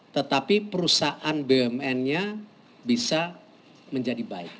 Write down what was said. tetapi perusahaan bumn nya bisa menjadi baik